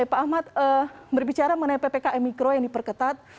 pak ahmad berbicara mengenai ppkm mikro yang diperketat